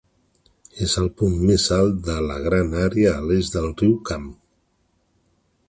És el punt més alt de la gran àrea a l'est del riu Cam.